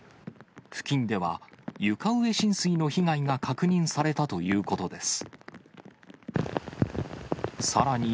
付近では床上浸水の被害が確認されたということです。